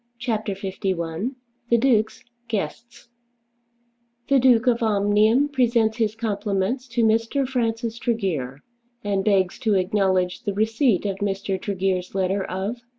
CHAPTER LI The Duke's Guests "The Duke of Omnium presents his compliments to Mr. Francis Tregear, and begs to acknowledge the receipt of Mr. Tregear's letter of